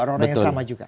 orang orang yang sama juga